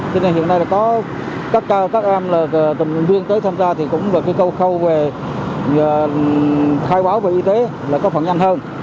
cho nên hiện nay là có các em là tình nguyện viên tới tham gia thì cũng là cái câu khâu về khai báo về y tế là có khoảng nhanh hơn